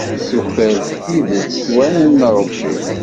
Tuker-d tidet seg wallen n Ṛebbi.